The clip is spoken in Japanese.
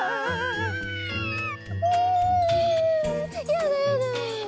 やだやだ。